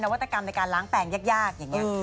วัตกรรมในการล้างแปลงยากอย่างนี้